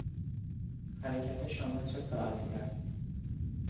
حرکت شما چه ساعتی است؟